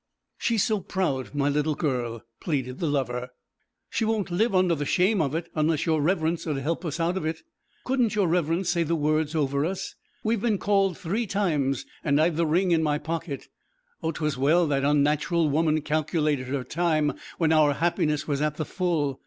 'She's so proud, my little girl,' pleaded the lover. 'She won't live under the shame of it unless your Reverence 'ud help us out of it. Couldn't your Reverence say the words over us? We've been called three times, and I've the ring in my pocket. Oh, 'twas well that unnatural woman calculated her time when our happiness was at the full.